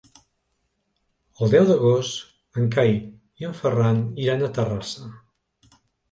El deu d'agost en Cai i en Ferran iran a Terrassa.